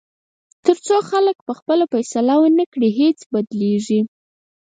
تر څو خلک پخپله فیصله ونه کړي، هیڅ بدلېږي.